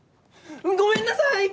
ごめんなさい！